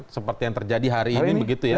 seperti yang terjadi hari ini